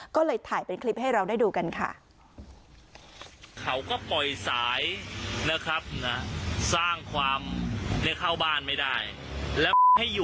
ก็เลยถ่ายเป็นคลิปให้เราได้ดูกันค่ะ